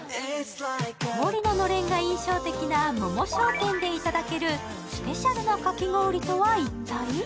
「氷」ののれんが印象的なｍｏｍｏ商店でいただけるスペシャルなかき氷とは一体？